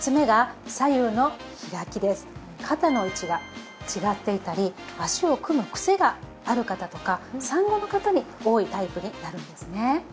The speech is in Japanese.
そして肩の位置が違っていたり足を組む癖がある方とか産後の方に多いタイプになるんですね。